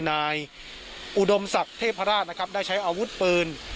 นายอุดมศักดิ์เทพราชนะครับได้ใช้อาวุธปืน